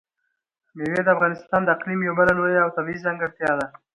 مېوې د افغانستان د اقلیم یوه بله لویه او طبیعي ځانګړتیا ده.